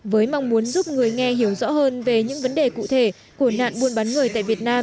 với mong muốn giúp người nghe hiểu rõ hơn về những vấn đề cụ thể của nạn buôn bán người tại việt nam